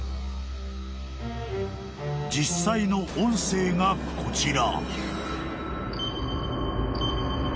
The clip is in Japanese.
［実際の音声がこちら］